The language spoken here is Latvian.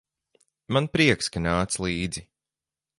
Man prieks, ka nāc līdzi.